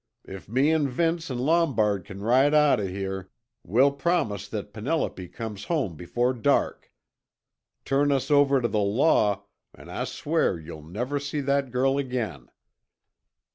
If me an' Vince an' Lombard can ride out of here, we'll promise that Penelope comes home before dark! Turn us over to the law an' I swear you'll never see that girl again!"